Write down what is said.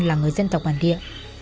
là người dân tộc bản địa